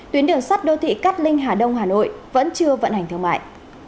tuyến đường sắt đô thị cát linh hà đông hà nội vẫn chưa vận hành thương mại